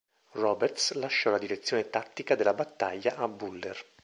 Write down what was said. Roberts lasciò la direzione tattica della battaglia a Buller.